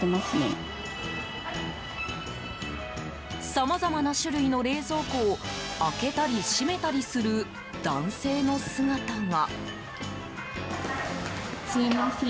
さまざまな種類の冷蔵庫を開けたり、閉めたりする男性の姿が。